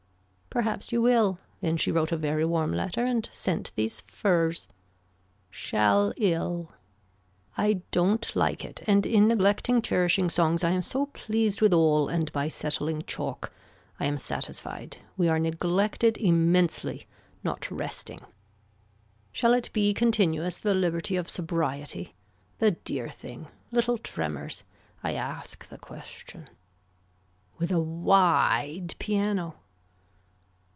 Perhaps you will. Then she wrote a very warm letter and sent these furs. Shall ill. I don't like it and in neglecting cherishing songs I am so pleased with all and by settling chalk. I am satisfied. We are neglected immensely. Not resting. Shall it be continuous the liberty of sobriety. The dear thing. Little tremors. I ask the question. With a wide piano.